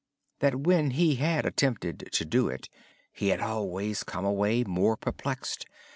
In the past, when he had attempted to do it, he had always come away more perplexed.